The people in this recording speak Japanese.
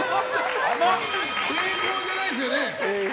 成功じゃないですよね？